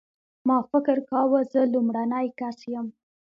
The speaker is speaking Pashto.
ما فکر کاوه زه لومړنی کس یم.